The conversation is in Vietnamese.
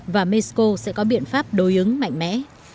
và mexico sẽ có biện pháp đối ứng mạnh mẽ